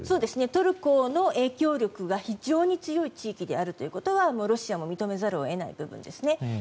トルコの影響力が非常に強い地域であることはロシアも認めざるを得ない部分ですね。